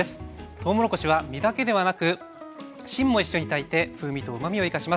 とうもろこしは実だけではなく芯も一緒に炊いて風味とうまみを生かします。